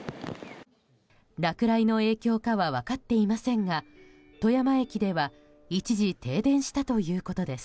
落雷の影響かは分かっていませんが富山駅では一時停電したということです。